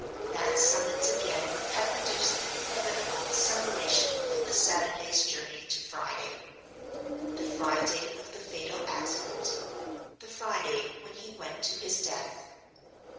That summons, again, had produced the inevitable acceleration of the Saturday's journey to Friday; the Friday of the fatal accident, the Friday when he went to his death.